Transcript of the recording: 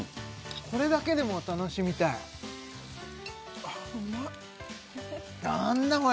これだけでも楽しみたいあうまい何だこれ！